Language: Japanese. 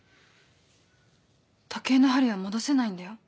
時計の針は戻せないんだよ。